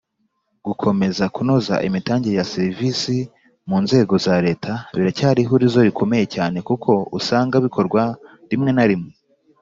Gukomeza kunoza imitangire ya serivisi mu nzego za Leta biracyari ihurizo rikomeye cyane kuko usanga bikorwa rimwe na rimwe